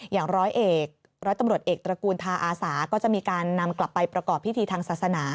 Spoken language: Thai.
อย่างร้อยเอกร้อยตำรวจเอกตระกูลทาอาสาก็จะมีการนำกลับไปประกอบพิธีทางศาสนา